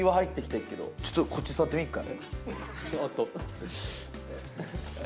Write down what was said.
ちょっと、こっち座ってみ、１回。